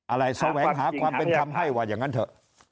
อะไรซ้อมแหวงหาความเป็นคำให้ว่าอย่างนั้นเถอะ